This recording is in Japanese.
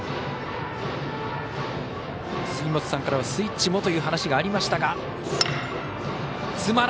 杉本さんからはスイッチもという話がありましたが。